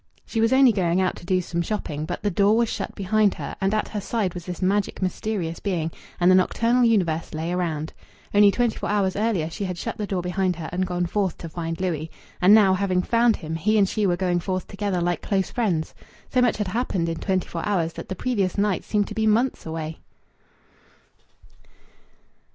She was only going out to do some shopping; but the door was shut behind her, and at her side was this magic, mysterious being, and the nocturnal universe lay around. Only twenty four hours earlier she had shut the door behind her and gone forth to find Louis. And now, having found him, he and she were going forth together like close friends. So much had happened in twenty four hours that the previous night seemed to be months away.